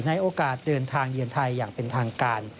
โอกาสเดินทางเยือนไทยอย่างเป็นทางการ